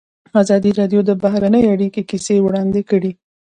ازادي راډیو د بهرنۍ اړیکې کیسې وړاندې کړي.